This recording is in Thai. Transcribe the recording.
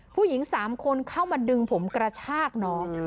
ผู้หญิง๓คนเข้ามาดึงผมกระชากน้อง